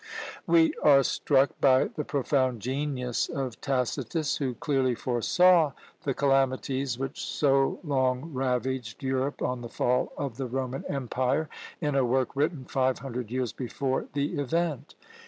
We are struck by the profound genius of Tacitus, who clearly foresaw the calamities which so long ravaged Europe on the fall of the Roman Empire, in a work written five hundred years before the event!